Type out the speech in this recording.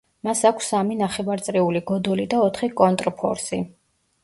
მას აქვს სამი ნახევარწრიული გოდოლი და ოთხი კონტრფორსი.